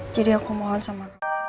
jadi aku mohon sama